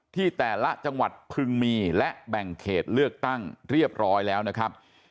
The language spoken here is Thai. ที่แต่ละจังหวัดพึงมีและแบ่งเขตเลือกตั้งเรียบร้อยแล้วนะครับ